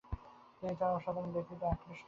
তিনি তাঁর অসাধারণ ব্যক্তিত্বে আকৃষ্ট হন।